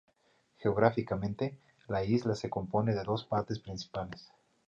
Geográficamente, la isla se compone de dos partes principales.